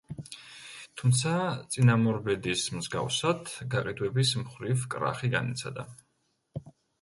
თუმცა წინამორბედის მსგავსად, გაყიდვების მხრივ კრახი განიცადა.